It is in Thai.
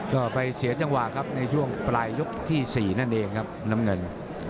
ก็ไปเสียจังหวะครับในช่วงปลายยกที่๔นั่นเองครับน้ำเงิน